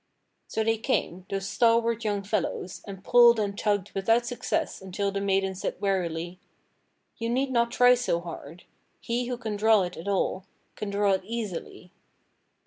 So they came, those stalwart young fellows, and pulled and tugged without success until the maiden said wearily: "A"ou need not try so hard. He who can draw it at all can draw it easily."